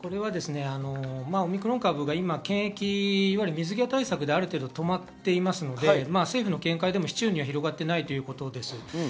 オミクロン株が今、検疫、水際対策である程度、止まっていますので、政府の見解でも市中には広がっていないということです。